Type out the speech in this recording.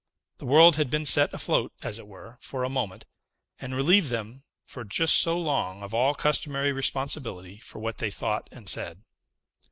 The world had been set afloat, as it were, for a moment, and relieved them, for just so long, of all customary responsibility for what they thought and said.